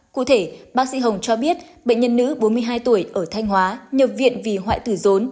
cụ thể bác sĩ hồng cho biết bệnh nhân nữ bốn mươi hai tuổi ở thanh hóa nhập viện vì hoại tử rốn